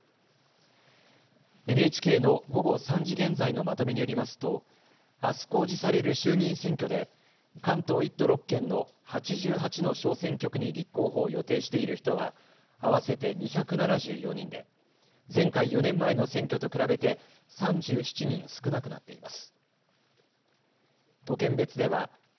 ＮＨＫの午後３時現在のまとめによりますとあす公示される衆議院選挙で関東１都６県の８８の小選挙区に立候補を予定している人は合わせて２７４人で前回４年前の選挙と比べて３７人少なくなっています。